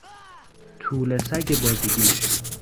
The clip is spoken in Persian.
توله سگ بازیگوش